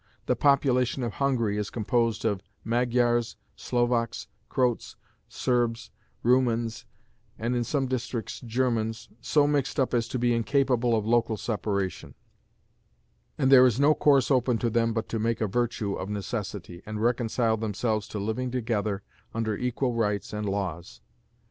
The population of Hungary is composed of Magyars, Slovaks, Croats, Serbs, Roumans, and in some districts Germans, so mixed up as to be incapable of local separation; and there is no course open to them but to make a virtue of necessity, and reconcile themselves to living together under equal rights and laws.